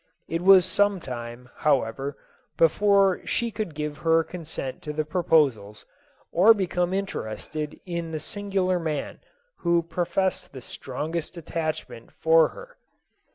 It was sometime, however, before she could give her con sent to the proposals, or become interested in the sin gular man who professed the strongest attachment for 238 JOSEPHINE. her.